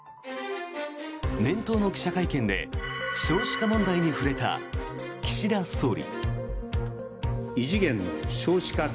年頭の記者会見で少子化問題に触れた岸田総理。